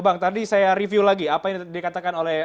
bang tadi saya review lagi apa yang dikatakan oleh